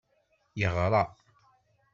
Yeɣra.